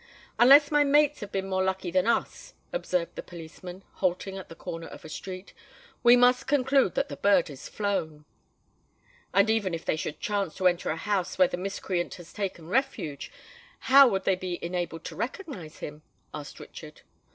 "Unless my mates have been more lucky than us," observed the policeman, halting at the corner of a street, "we must conclude that the bird is flown." "And even if they should chance to enter a house where the miscreant has taken refuge, how would they be enabled to recognise him?" asked Richard.